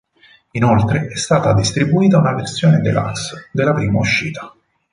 Inoltre, è stata distribuita una versione deluxe della prima uscita.